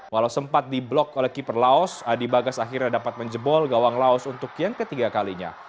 walau sempat diblok oleh keeper laos adi bagas akhirnya dapat menjebol gawang laos untuk yang ketiga kalinya